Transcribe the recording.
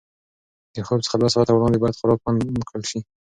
د خوب څخه دوه ساعته وړاندې باید خوراک بند کړل شي.